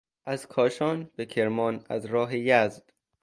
از کاشان به کرمان از راه یزد